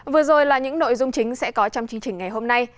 vừa rồi là những nội dung chính sẽ có trong chương trình ngày hôm nay